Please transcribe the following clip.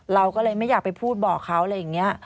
เราก็เลยไม่อยากไปพูดบอกเขาอะไรอย่างนี้